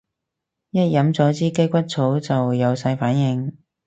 一飲咗支雞骨草就有晒反應